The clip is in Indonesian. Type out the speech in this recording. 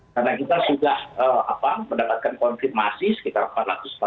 karena kita sudah mendapatkan konfirmasi sekitar empat ratus empat puluh